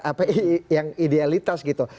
apa yang idealitas gitu